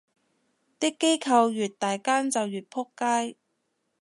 啲機構越大間就越仆街